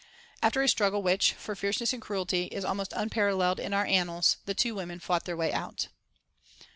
After a struggle which, for fierceness and cruelty, is almost unparalleled in our annals, the two women fought their way out.